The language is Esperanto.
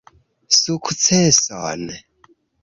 Sukceson